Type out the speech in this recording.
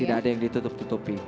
tidak ada yang ditutup tutupi